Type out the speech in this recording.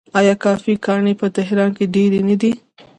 آیا کافې ګانې په تهران کې ډیرې نه دي؟